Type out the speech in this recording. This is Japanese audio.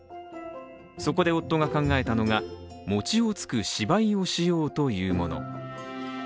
そこで夫が考えたのが、餅をつく芝居をしようというもの。